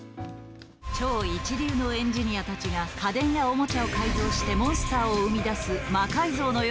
超一流のエンジニアたちが家電やおもちゃを改造してモンスターを生み出す魔改造の夜。